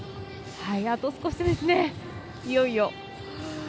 あと少しですね、いよいよ。